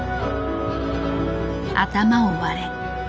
「頭を割れ」。